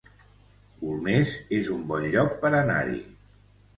Golmés es un bon lloc per anar-hi